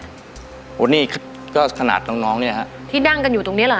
โอ้โหนี่ก็ขนาดน้องน้องเนี่ยฮะที่นั่งกันอยู่ตรงเนี้ยเหรอ